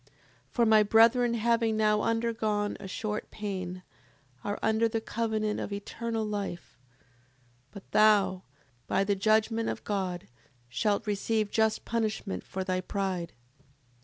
7:36. For my brethren having now undergone a short pain, are under the covenant of eternal life: but thou, by the judgment of God, shalt receive just punishment for thy pride.